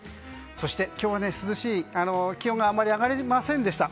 そして今日は気温があまり上がりませんでした。